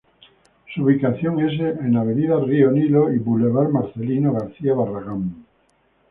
Su ubicación es en Avenida Río Nilo y Boulevard Marcelino García Barragán.